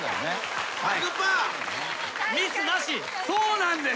そうなんです。